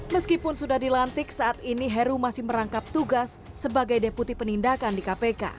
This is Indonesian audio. meskipun sudah dilantik saat ini heru masih merangkap tugas sebagai deputi penindakan di kpk